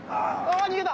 ・逃げた！